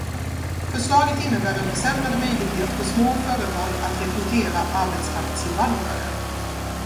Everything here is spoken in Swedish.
Förslaget innebär en försämrad möjlighet för små företag att rekrytera arbetskraftsinvandrare.